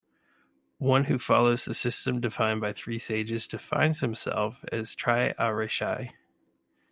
One who follows the system defined by three sages defines himself as "tri-a-rishaye".